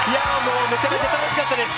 めちゃくちゃ楽しかったです。